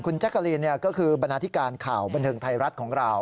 แจ๊กกะลีนก็คือบรรณาธิการข่าวบันเทิงไทยรัฐของเรา